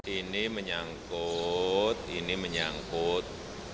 ini menyangkut ini menyangkut